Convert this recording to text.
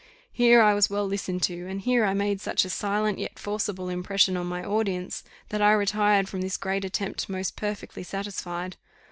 Here I was well listened to, and here I made such a silent yet forcible impression on my audience, that I retired from this great attempt most perfectly satisfied.